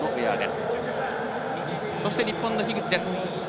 そして、日本の樋口です。